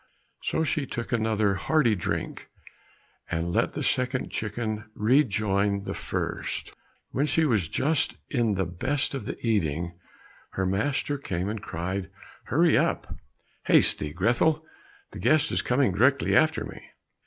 So she took another hearty drink, and let the second chicken rejoin the first. While she was just in the best of the eating, her master came and cried, hurry up, "Haste thee, Grethel, the guest is coming directly after me!"